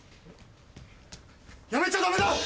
・やめちゃダメだ！